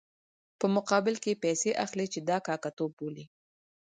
په مقابل کې یې پیسې اخلي چې دا کاکه توب بولي.